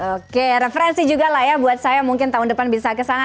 oke referensi juga lah ya buat saya mungkin tahun depan bisa kesana